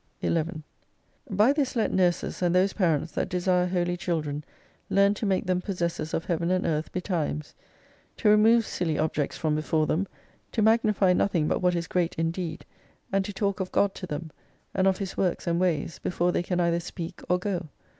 11 By this let nurses, and those parents that desire Holy Children learn to make them possessors of Heaven and Earth betimes ; to remove silly objects from before them, to magnify nothing but what is great indeed, and to talk of God to them, and of His v/orks and ways before they can either speak or go.